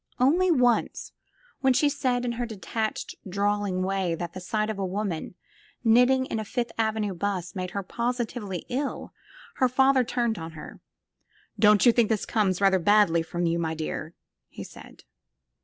Only once, when she said in her detached, drawling way that the sight of a woman knitting in a Fifth Avenue bus made her positively ill, her father turned on her. "Don't you think this comes rather badly from you, my dear?" he said.